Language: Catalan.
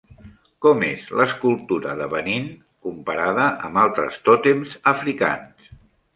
Com és l'escultura de Benín comparada amb altres tòtems africans?